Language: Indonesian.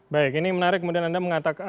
baik ini menarik kemudian anda mengatakan